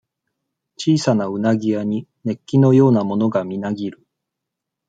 小さな鰻屋に、熱気のようなものがみなぎる。